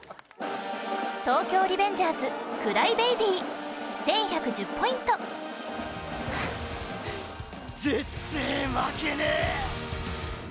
『東京リベンジャーズ』『ＣｒｙＢａｂｙ』１１１０ポイントぜってえ負けねえ！